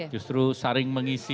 justru saring mengisi